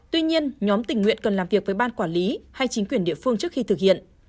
tuy nhiên nhóm tình nguyện cần làm việc với ban quản lý hay chính quyền địa phương trước khi thực hiện